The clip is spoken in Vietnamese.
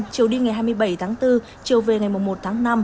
chiều đi ngày hai mươi bảy tháng bốn chiều về ngày một tháng năm